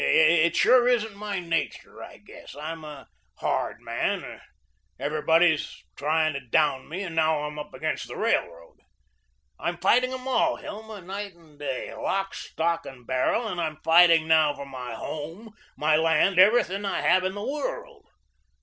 It, sure, isn't my nature, I guess. I'm a hard man. Everybody is trying to down me, and now I'm up against the Railroad. I'm fighting 'em all, Hilma, night and day, lock, stock, and barrel, and I'm fighting now for my home, my land, everything I have in the world.